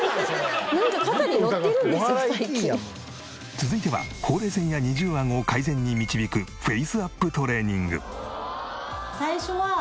続いてはほうれい線や二重アゴを改善に導くフェイスアップトレーニング。